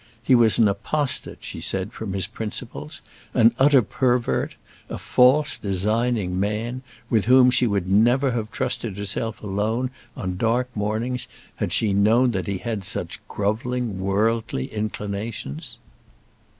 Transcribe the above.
He was an apostate, she said, from his principles; an utter pervert; a false, designing man, with whom she would never have trusted herself alone on dark mornings had she known that he had such grovelling, worldly inclinations.